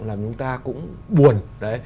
làm chúng ta cũng buồn